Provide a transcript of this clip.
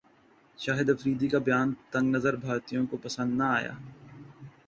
شاہد افریدی کا بیان تنگ نظر بھارتیوں کو پسند نہ ایا